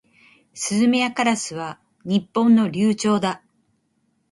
スズメやカラスは日本では留鳥だ。